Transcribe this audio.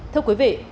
thưa quý vị